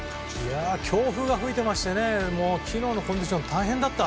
強風が吹いていまして昨日のコンディションは大変だった。